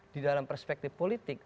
di dalam perspektif politik